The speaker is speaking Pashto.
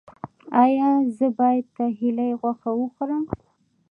ایا زه باید د هیلۍ غوښه وخورم؟